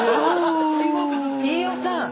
飯尾さん